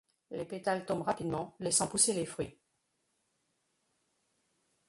Les pétales tombent rapidement, laissant pousser les fruits.